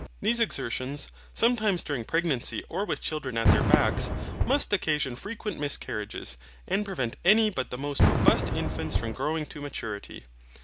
These exertions, sometimes during pregnancy or with children at their backs, must occasion frequent miscarriages, and prevent any but the most robust infants from growing to maturity.